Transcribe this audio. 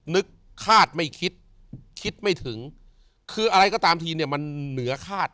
คาดไม่คิดคิดไม่ถึงคืออะไรก็ตามทีเนี่ยมันเหนือคาด